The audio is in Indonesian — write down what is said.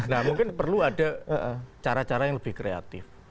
nah mungkin perlu ada cara cara yang lebih kreatif